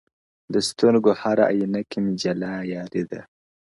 د سترگو هره ائينه کي مي جلا ياري ده _